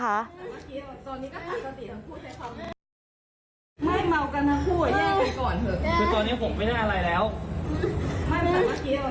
คือตอนนี้ผมไม่ได้อะไรแล้ว